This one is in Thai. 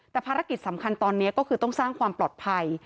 แต่ภารกิจสำคัญตอนนี้ก็คือต้องสร้างความปลอดภัย